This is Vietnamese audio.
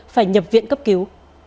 phải nhập viện cấp cứu